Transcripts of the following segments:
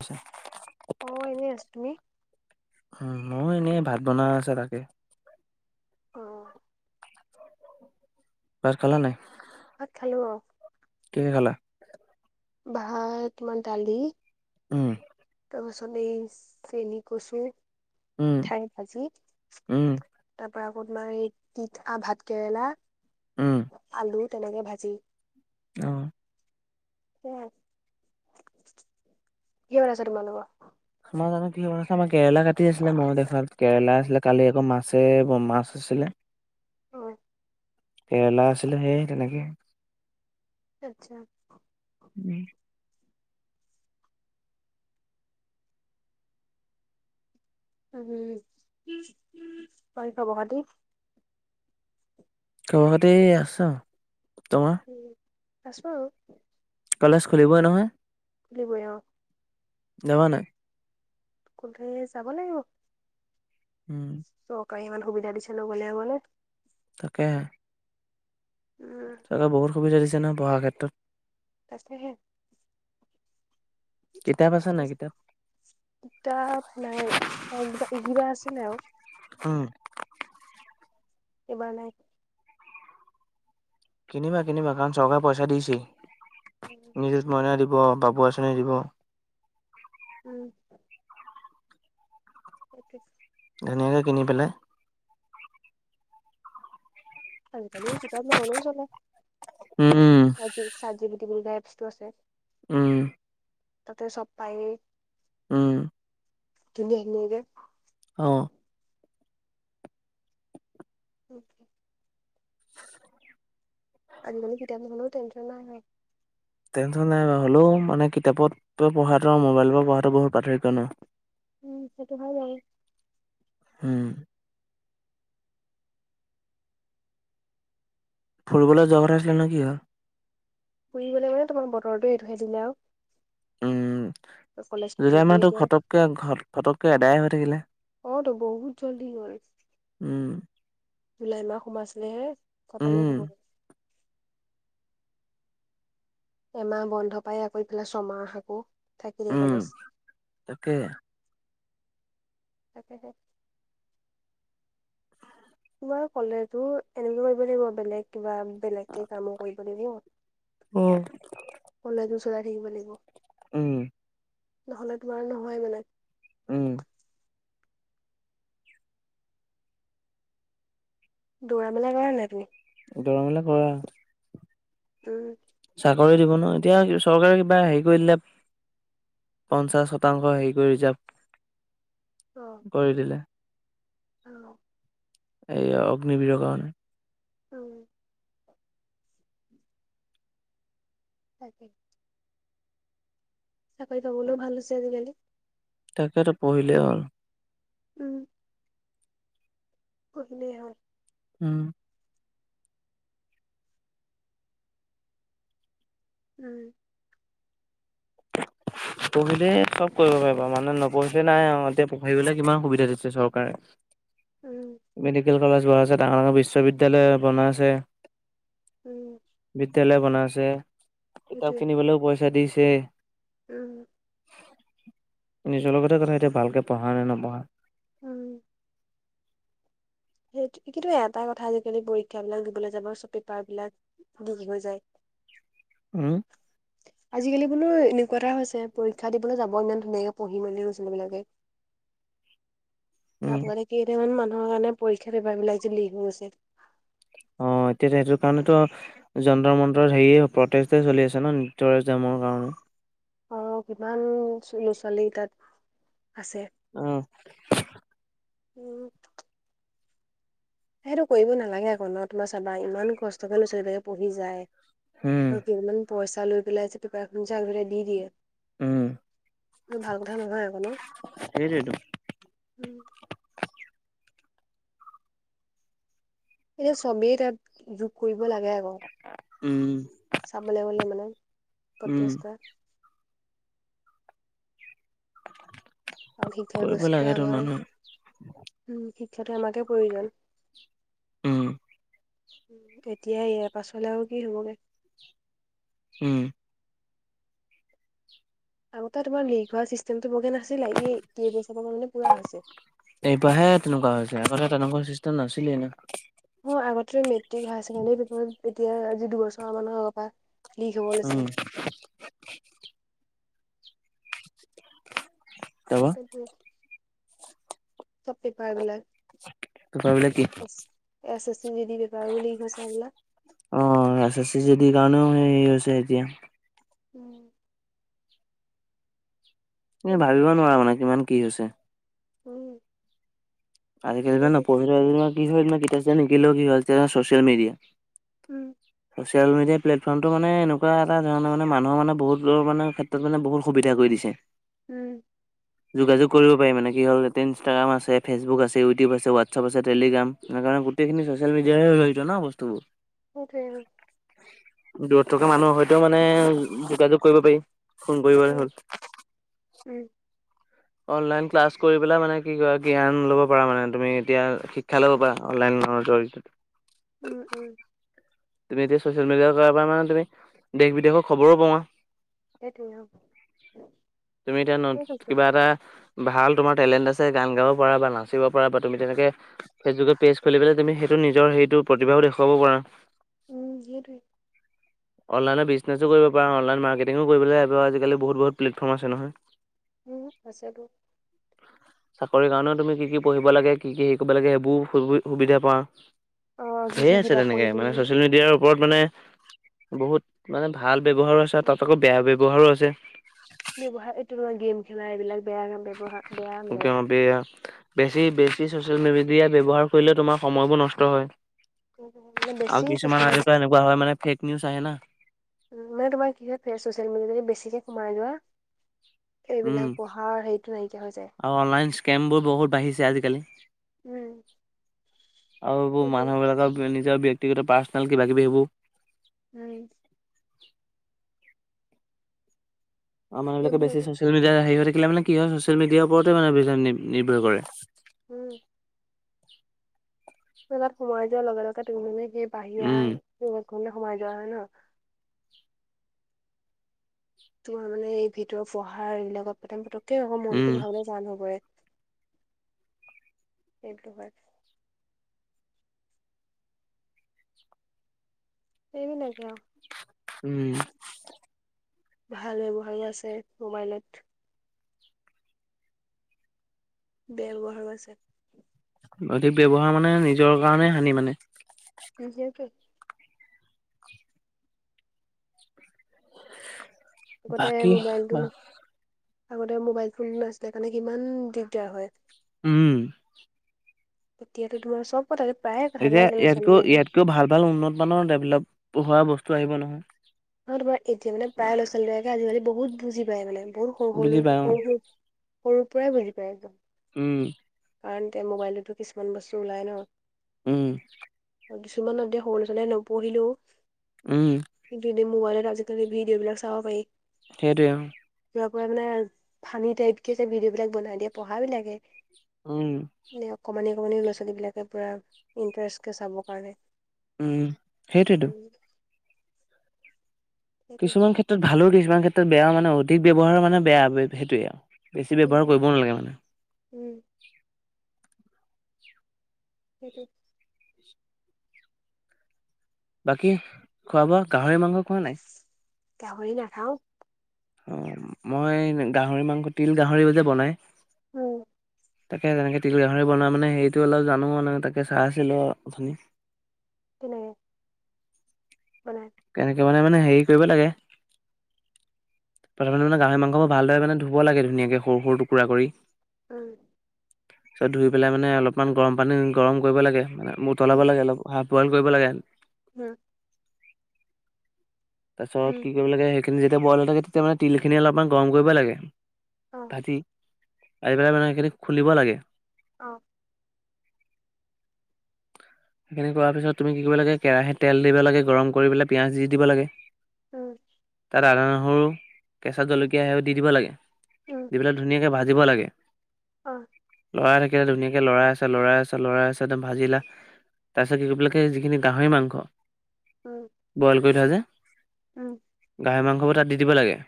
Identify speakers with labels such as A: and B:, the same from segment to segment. A: আচ্ছা।
B: অ', এনেই আছো তুমি?
A: উম, ময়ো এনেই ভাত বনাই আছে তাকে।
B: অহ'।
A: ভাত খালা নাই?
B: ভাত খালোঁ অহ'।
A: কিহেৰে খালা?
B: ভাত তোমাৰ দালি।
A: উম।
B: তাৰ পাছত এই চেনিকচু,
A: উম,
B: ঠাই ভাজি।
A: উম,
B: তাৰ পাৰা আকৌ তোমাৰ, এই তিতা ভাত কেৰেলা।
A: উম।
B: আলু তেনেকে ভাজি।
A: অহ'।
B: সেয়া। কি বনাইছে তোমাৰ লোকৰ?
A: আমাৰ জানো কি আছে, আমাৰ কেৰেলা কাটি আছিলে মই দেখাত কেৰেলা আছিলে, কালি আকৌ মাছে মাছ আছিলে।
B: অঁহ'।
A: কেৰেলা আছিলে সেইয়া তেনেকে।
B: আচ্ছা।
A: উম।
B: উম, বাকী খবৰ-খাতি?
A: খবৰ-খাতি আছোঁ আৰু, তোমাৰ?
B: উম, আছো আৰু।
A: কলেজ খুলিবই নহয়?
B: খুলিবই অ'।
A: যাবা নাই?
B: খোলে যাব লাগিব।
A: উম।
B: চৰকাৰে ইমান সুবিধা দিছে নগলে হ'ব নে।
A: তাকেহে।
B: উম।
A: তাকে বহুত সুবিধা দিছে ন' পঢ়াৰ ক্ষেত্ৰত?
B: তাকেহে।
A: কিতাপ আছে নাই কিতাপ?
B: কিতাপ নাই, কিবা এগিতা আছিলে আৰু।
A: উম।
B: এইবাৰ নাই।
A: কিনিবা কিনিবা কাৰণ চৰকাৰে পইচা দিছেই, নিজুত মইনা দিব, বাবু আঁচনি দিব।
B: উম। সেইটোৱে।
A: ধুনীয়াকে কিনি পেলাই
B: আজি-কালি কিতাপ নহলেও চলে।
A: উম।
B: চাট জি চাট জিপিটি বুলি যে এপছটো আছে।
A: উম।
B: তাতে চব পায়েই।
A: উম।
B: ধুনিয়া ধুনীয়াকে।
A: অঁ।
B: অ'কে। আজিকালি কিতাপ ন'হলেও টেনশ্যন নাই হয়।
A: টেনশ্যন নাই বাৰু, হ'লেও মানে কিতাপত পঢ়াটো মোবাইলৰ পৰা পঢ়াটো বহুত পাৰ্থক্য ন।
B: উম, সেইটো হয় বাৰু।
A: উম। ফুৰিবলে যোৱা কথা আছিল নহয়, কি হ'ল?
B: ফুৰিবলে তোমাৰ বতৰটো এইটোহে দিলে আও।
A: উম, জুলাই
B: খুলিবই
A: মাহটো
B: এতিয়া
A: ঘটককে ঘত ফটককে এদায়ে হৈ থাকিলে।
B: অঁ ত, বহুত জল্দি গল।
A: উম।
B: জুলাই মাহ সোমাইছিলেহে, খটমেই
A: উম,
B: হ'বগে। এমাহ বন্ধ পাই আকৌ ইফালে ছমাহ আকৌ থাকিল
A: উম,
B: কলেজ।
A: তাকে।
B: তাকেহে তোমাৰ ক'লেজো এনেকে কৰিব লাগিব, বেলেগ কিবা বেলেগকে কামো কৰিব লাগিব।
A: উম
B: কলেজো চলাই থাকিব লাগিব।
A: উম।
B: নহ'লে তোমাৰ নহয় মানে।
A: উম।
B: দৌৰা মেলা কৰা নাই তুমি?
A: দৌৰ মেলা কৰা।
B: উম।
A: চাকৰি দিব ন এতিয়া চৰকাৰে কিবা হেৰি কৰি দিলে। পঞ্চাশ শতাংশ হেৰি কৰি ৰিজাৰ্ভ
B: অ।
A: কৰি দিলে।
B: অঁহ
A: এই অগ্নিবিৰৰ কাৰণে।
B: উম তাকে চাকৰি পাবলৈও ভাল হৈছে আজিকালি।
A: তাকেইতো পঢ়িলেই হ'ল।
B: উম। পঢ়িলেই হ'ল।
A: উম।
B: উম।
A: [inaudible] পঢ়িলে চব কৰিব পাৰিব মানে, নপঢ়িলে নাই আৰু, এতিয়া পঢ়িবলৈ কিমান সুবিধা দিছে চৰকাৰে। [unintelligible]
B: উম।
A: মেডিকেল কলেজ বনাই আছে, ডাঙৰ-ডাঙৰ বিশ্ববিদ্যালয় বনাইছে।
B: উম।
A: বিদ্যালয় বনাইছে। কিতাপ
B: সেইটোৱে।
A: কিনিবলৈও পইচা দিছেই।
B: উম।
A: নিজৰ লগতে কথা এতিয়া ভালকৈ পঢ়া নে নপঢ়া।
B: উম সেই কিন্তু এটা কথা আজিকালি পৰীক্ষা বিলাক দিবলৈ যাব চব পেপাৰ বিলাক লিগ হৈ যায়।
A: উম
B: আজিকালি বোলো এনেকুৱা এটা হৈছে পৰীক্ষা দিবলৈ যাব ইমান ধুনীয়াকে পঢ়ি মেলি ল'ৰা-ছোৱালী বিলাকে।
A: [inaudible]
B: তাৰপৰা
A: উম
B: নেকি কেইটামান মানুহৰ কাৰণে পৰীক্ষাৰ পেপাৰবিলাক যে লিগ হৈ আছে।
A: অ এতিয়া সিহতৰ কাৰণেতো যন্তৰ মন্তৰ হেৰি প্ৰটেষ্টেএ চলি আছে ন নেতৰ একজামৰ কাৰণে।
B: অ কিমান ল'ৰ-ছোৱালী তাত আছে
A: উম
B: উম সেইটো কৰিব নালাগে আকৌ ন তোমাৰ চাবা ইমান কষ্টকে ল'ৰা-ছোৱালীবিলাকে পঢ়ি যায়।
A: উম
B: আৰু কেইটামান পইচা লৈ পেলাই যে পেপাৰখন যে আগলে দি দিয়ে।
A: উম
B: এইটো ভাল কথা নহয় আকৌ ন
A: সেইটোৱেতো
B: উ সেইটো চবেই তাত যোগ কৰিব লাগে আকৌ
A: উম
B: চাব লে গলে মানে
A: উম
B: প্ৰটেষ্ট কৰা। আৰু শিক্ষা
A: কৰিব
B: ব্যৱস্থাটো
A: লাগেতো
B: আমাৰ
A: মানুহে
B: উম শিক্ষাটো আমাকে প্ৰয়োজন।
A: উম
B: উ তেতিয়া ইয়াৰ পাছলে আৰু কি হ'বগে
A: উম
B: আগতে তোমাৰ লিক হোৱা চিষ্টেমটো বৰকে নাছিলে এই কেইবছৰ মানৰ পৰা মানে পুৰা হৈছে।
A: এইবাৰহে তেনেকুৱা হৈছে আগতে তেনেকুৱা চিষ্টেম নাছিলে এনে।
B: অ আগতে মেট্ৰিক হায়াৰ ছেকেণ্ডাৰী পেপাৰত এতিয়া আজি দুবছৰ মানৰ আগৰ পৰা লিক হব লৈছে
A: উম ত'
B: উম চব পেপাৰ বিলাক
A: পেপাৰ বিলাক কি
B: S, S S G T পেপাৰো লিক হৈছে বোলে
A: অ এছ এছ জি ডিৰ কাৰণেও হেৰি হৈছে এতিয়া।
B: উম
A: তুমি
B: সেইটোৱে
A: ভাবিব নোৱাৰা মানে কিমান কি হৈছে
B: উম
A: আজিকালি যে
B: সেইটোৱে
A: নপঢ়িলেও কি হয় তোমাৰ কিতাপ-চিতাপ নিকিনিলেও কি হয় social media
B: um
A: social media প্লেটফৰ্মটো মানে এনেকুৱা এটা ধৰণৰ মানে মানুহ মানে বহুত দূৰৰ মানে ক্ষেত্ৰত মানে বহুত সুবিধা কৰি দিছে
B: উম
A: যোগাযোগ কৰিব পাৰি মানে কি হ'ল এতিয়া ইনষ্টাগ্ৰাম আছে ফেচবুক আছে আছে ইউটিউব আছে হোৱাটছআপ আছে টেলিগ্ৰাম সেই কাৰণে গোটেইখিনি চচিয়েল মিডিয়াৰে় জৰিত ন বস্তুবোৰ।
B: [inaudible]
A: দূৰত থকা মানুহৰ সয়তেও মানে যোগাযোগ কৰিব পাৰি ফোন কৰি গলে
B: আৰু।
A: হ'ল।
B: উম
A: অনলাইন ক্লাছ কৰি পেলাই মানে কি কৈ জ্ঞান ল'ব পাৰা মানে তুমি এতিয়া শিক্ষা ল'ব পাৰা। অনলাইন [inaudible]
B: উম উম
A: তুমি এতিয়া ছ'চিয়েল মিডিয়াৰ পৰা মানে তুমি দেশ বিদেশৰ খবৰো পোৱা।
B: সেইটোৱে অ
A: তুমি এতিয়া ন
B: সেইটোৱে
A: কিবা এটা ভাল তোমাৰ টেলেণ্ট আছে গান গাব পাৰা বা নাচিব পাৰা বা তুমি তেনেকে ফেচবুকত পেজ খুলি পেলাই তুমি সেইটো নিজৰ সেইটো প্ৰতিভাও দেখুৱাব পাৰা।
B: উম হেতুয়ে।
A: অনলাইনত বিজনেছোও কৰিব পাৰা অনলাইন মাৰ্কেটিঙও কৰিব আজিকালি বহুত বহুত প্লেটফৰ্ম আছে নহয়।
B: বহুত আছে ব
A: [unintelligible] চাকৰি কাৰণেও তুমি কি কি পঢ়িব লাগে কি কি হেৰি কৰিব লাগে সেইবোৰো সুবিধা পোৱা।
B: অ কি
A: ধেই
B: কি
A: আছে
B: কিতাপ
A: তেনেকে
B: পঢ়িব
A: মানে
B: লাগে
A: চচিয়েল মিডিয়াৰ ওপৰত মানে বহুত মানে ভাল ব্যৱহাৰো আছে তাত আকৌ বেয়া ব্যয়ৱহাৰো আছে।
B: ব্যৱহাৰ এইটো গেম খেলা এইবিলাক বেয়া ব্যয়ৱহাৰ বেয়া মানে।
A: বেয়া বেছি বেছি চচিয়েল মিডিয়া ব্যৱহাৰ কৰিলে তোমাৰ সময়বোৰ নষ্ট হয়।
B: মানে বেছি চ'চিয়েল মে
A: কোৱা হয় মানে ফেক নিউজ আহে না।
B: উ মানে তোমাৰ কি হয় চচিয়েল মিডিয়াত বেছিকে সোমাই যোৱা
A: উম
B: এইবিলাক পঢ়াৰ হেৰিটো নাইকিয়া হৈ যায়।
A: আৰু অনলাইন স্কেম বোৰ বহুত বাঢ়িছে আজিকালি
B: উম
A: আৰু এইবোৰ
B: সেইটোৱে
A: মানুহ বিলাকৰ নিজৰ ব্যক্তিগত পাৰ্চনেল কিবা কিবি সেইবোৰ
B: উম
A: অ মানুহবিলাকে বেছি
B: সেইবিলাকে
A: চচিয়েল মিডিয়াত হে হৈ থাকিলে মানে কি হয় ছচিয়েল মিডিয়াৰ ওপৰতে মানে নিৰ্ভৰ কৰে।
B: উম তাত সোমাই যোৱাৰ লগে লগে তুমে সেই বাহিৰা
A: উম
B: সোমাই যোৱা হয় ন। তোমাৰ মানে এই ভিতৰ পঢ়াৰ এইবিলাকত প্ৰথম পতককে আকৌ
A: উম
B: মনটো ভৰাবলে যা নপৰে। এইটো হয়। এইবিলাকে আও।
A: উম
B: ভাল ব্যৱহাৰো আছে মোবাইলত। বেয়া ব্যৱহাৰ ও আছে।
A: অধিক ব্যৱহাৰ মানে নিজৰ কাৰণে হানি মানে।
B: হেটুয়ে টো আগতে
A: বাকী
B: মোবাইলটো আগতে মোবাইল ফোন নাছিলে কাৰণে কিমান দিগদাৰ হয়।
A: উম
B: এতিয়াতো তোমাৰ চব কথাতে প্ৰায়ে কথাবিলাক লৰা ছোৱালী বিলাকে
A: কিয় ভাল ভাল উন্নতমানৰ ডেভেলপ হোৱা বস্তু আহিব নহয়।
B: ন তোমাৰ এতিয়া মানে প্ৰায় ল'ৰা ছোৱালী লাকে আজিকালি বহুত বুজি পায় মানে বহুত
A: বুজি
B: সৰু সৰু
A: পাই অ
B: সৰু সৰু সৰুৰ পৰাই বুজি পায় একদম।
A: উম
B: [unintelligible] মোবাইলতো কিছুমান বস্তু ওলাই ন'।
A: উম।
B: কিছুমানৰ [unintelligible] নপঢ়িলেও
A: উম।
B: কিন্তু এতিয়া মোবাইলত আজিকালি ভিডিঅ' বিলাক চাব পাৰি।
A: সেইটোৱে অ'।
B: কিহৰ পৰা মানে, ফানী টাইপছে ভিডিঅ' বিলাক বনাই দিয়ে পঢ়া বিলাকে।
A: উম।
B: অকমানি অকমানি ল'ৰা ছোৱালী বিলাকে পুৰা, ইণ্টাৰেষ্টকে চাব পাৰে।
A: উম, সেইটোৱেটো।
B: সেইটোৱে
A: কিছুমান ক্ষেত্ৰত ভালো কিছুমান ক্ষেত্ৰত বেয়াও মানে অধিক ব্যৱহাৰৰ মানে বেয়া সেইটোৱে আৰু। বেছি ব্যৱহাৰ
B: উম
A: কৰিবও নালাগে মানে।
B: উম। সেইটো।
A: বাকী, খোৱা বোৱা গাহৰি মাংস খোৱা নাই।
B: গাহৰি নাখাওঁ।
A: অ' মই গাহৰি মাংস তিল গাহৰিও যে বনাই
B: হ'ম।
A: তাকে তেনেকৈ তিল গাহৰি বনোৱা মানে হেৰিটো অলপ জানো মানে তাকে চাই আছিলোঁ অথনি।
B: কেনেকে। বনাই।
A: কেনেকে মানে, মানে হেৰি কৰিব লাগে। প্ৰথমে মানে গাহৰি মাংসবোৰ ভালদৰে মানে ধুব লাগে ধুনীয়াকে সৰু, সৰু টুকুৰা কৰি।
B: উম।
A: পিছত ধুই পেলাই মানে অলপমান গৰম পানী গৰম কৰিব লাগে, মানে উতলাব লাগে অলপ হাফ বইল কৰিব লাগে।
B: হুম।
A: তাৰপিছত
B: উম
A: কি কৰিব লাগে, সেইখিনি যেতিয়া বইল হৈ থাকে, তেতিয়া মানে তিলখিনি অলপমান গৰম কৰিব লাগে।
B: অ
A: ভাটি, আহি পেলাই মানে সেইখিনি খুলিব লাগে।
B: অ'।
A: সেইখিনি কৰাৰ পিছত তুমি কি কৰিব লাগে, কেৰাহীত তিল দিব লাগে গৰম কৰি পেলাই পিঁয়াজ দি দিব লাগে।
B: উম।
A: তাত আদা, নহৰু, কেঁচা জলকীয়া সেইবোৰ দি দিব লাগে।
B: উম
A: দি পেলাই ধুনীয়াকে ভাজিব লাগে।
B: অ'।
A: লৰাই থাকিলে ধুনীয়াকে লৰাই আছা, লৰাই আছা, লৰাই আছা একদম ভাজিলা। তাৰপিছত কি কৰিব লাগে যিখিনি গাহৰি মাংস।
B: উম।
A: বইল কৰি থোৱা যে।
B: উম।
A: গাহৰি মাংসবোৰ তাত দি দিব লাগে।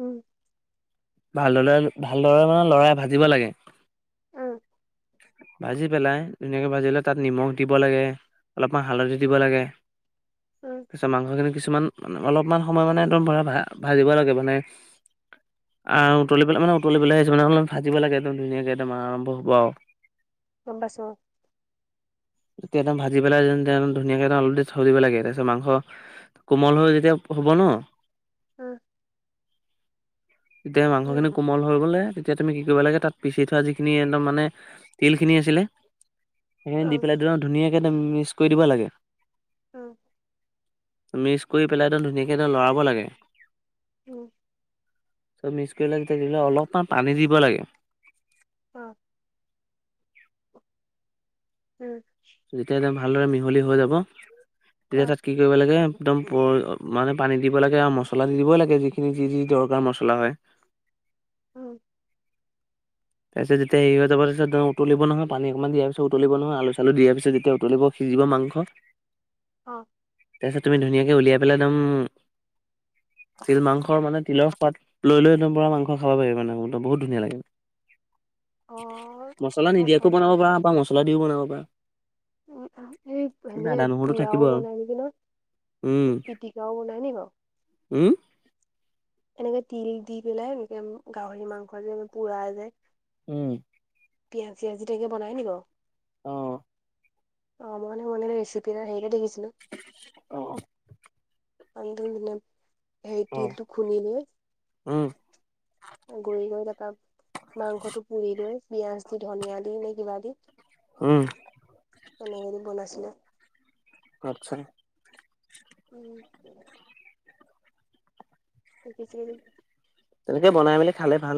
B: উম।
A: ভালদৰে, ভালদৰে মানে লৰাই ভাজিব লাগে।
B: উম
A: ভাজি পেলাই, ধুনীয়াকে ভাজিলে তাত নিমখ দিব লাগে, অলপমান হালধি দিব লাগে।
B: উম।
A: তাৰপিছত মাংসখিনি কিছুমান অলপমান সময় মানে তোৰ পোৰা ভা ভাজিব লাগে মানে। আৰু উতলিবলে মানে, উতলিবলেহে আহিছে মানে অলপ ভাজিব লাগে একদম ধুনীয়াকে একদম আৰম্ভ হ'ব আও।
B: গম পাইছো।
A: তেতিয়া একদম ভাজি পেলাই ধুনীয়াকে তুলি থৈ দিব লাগে তাৰপিছত মাংস কোমল হৈ যেতিয়া হ'ব ন
B: উম।
A: তেতিয়া
B: উম
A: মাংসখিনি কোমল হৈ গ'লে তেতিয়া তুমি কি কৰিব লাগে, তাত পিচি থোৱা যিখিনি একদম মানে তিলখিনি আছিলে সেইখিনি
B: অ
A: দি পেলাই একদম ধুনীয়াকে একদম মিক্স কৰি দিব লাগে।
B: উম।
A: মিক্স কৰি পেলাই একদম ধুনীয়াকে একদম লৰাব লাগে।
B: উম।
A: চব মিক্স কৰি লৈ তেতিয়া দিলে অলপমান পানী দিব লাগে।
B: অ। উম।
A: যেতিয়া একদম ভালদৰে মিহলি হৈ যাব তেতিয়া
B: অ
A: তাত কি কৰিব লাগে, একদম মানে পানী দিব লাগে, আৰু মছলা দি দিব লাগে যিখিনি যি, যি দৰকাৰ মছলা হয়।
B: উম।
A: তাৰপিছত যেতিয়া হেৰি হৈ যাব, তাৰপিছত তেওঁ উতলিব নহয় পানী অকমান দিয়াৰ পিছত উতলিব নহয় আলু-চালু দিয়াৰ পিছত যেতিয়া উতলিব সিজিব মাংস [unintelligible]
B: অ।
A: তাৰপিছত তুমি ধুনীয়াকে উলিয়াই পেলাই একদম তিল মাংসৰ মানে তিলৰ সোৱাদ লৈ লৈ একদম পোৰা মাংস খাব পাৰি মানে মাংস বহুত ধুনীয়া লাগে।
B: অ'
A: মছলা
B: মই খাই
A: নিদিয়াকেও
B: পোৱা
A: বনাব
B: নাই।
A: পাৰা বা মছলা দিও বনাব পাৰা।
B: উম এই
A: কিন্তু আদা
B: এনেই
A: নহৰুটো থাকিব
B: পোৰাও
A: আৰু
B: বনাই নিকি ন পিটিকাও বনাই নি বাৰু?
A: হুম?
B: এনেকে তিল দি পেলাই এনেকে গাহৰি মাংস যে পোৰা যে।
A: উম।
B: পিয়াঁজ-চিয়াজি দি তেনেকেই বনাই নি বাও?
A: অ।
B: অ মই মানে মই মানে ৰেচিপি এটা হেৰি এটা দেখিছিলো।
A: অ।
B: [unintelligible] হেৰি
A: অ
B: তিলটো খুন্দি লৈ।
A: উম।
B: গুৰি কৰি তাৰপা মাংসটো পুৰি লৈ, পিয়াঁজ দি ধনিয়া দি নে কিবা দি
A: উম।
B: তেনেকে দি বনাইছিলে।
A: আচ্ছা।
B: উম। শিকিছিলো।
A: তেনেকে বনাই মেলি খালে ভাল।